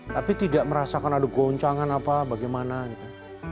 tapi tidak merasakan ada goncangan apa bagaimana gitu